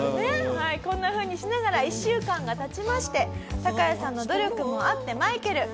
はいこんなふうにしながら１週間が経ちましてタカヤさんの努力もあってマイケル